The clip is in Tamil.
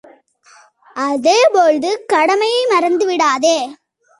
அதே போழ்து கடமையை மறந்து விடாதே!